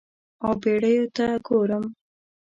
او بیړیو ته ګورم